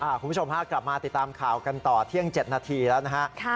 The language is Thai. คุณผู้ชมฮะกลับมาติดตามข่าวกันต่อเที่ยง๗นาทีแล้วนะฮะ